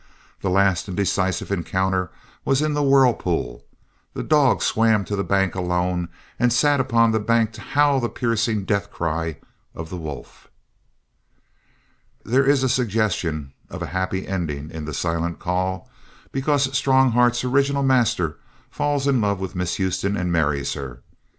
The last and decisive encounter was in the whirlpool. The dog swam to the bank alone and sat upon the bank to howl the piercing death cry of the wolf. There is a suggestion of a happy ending in The Silent Call because Strongheart's original master falls in love with Miss Houston and marries her.